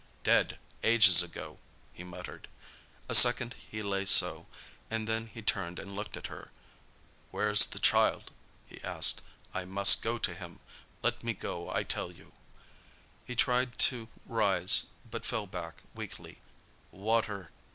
"Dead—ages ago!" He muttered. A second he lay so, and then he turned and looked at her. "Where's the child?" he asked. "I must go to him; let me go, I tell you!" He tried to rise, but fell back weakly. "Water!"